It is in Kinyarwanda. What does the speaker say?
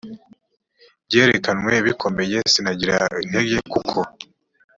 byerekanywe bikomeye sinasigarana intege kuko